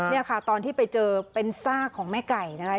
นี่ค่ะตอนที่ไปเจอเป็นซากของแม่ไก่นะคะ